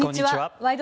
「ワイド！